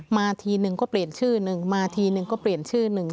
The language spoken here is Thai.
มาทีหนึ่งก็เปลี่ยนชื่อหนึ่ง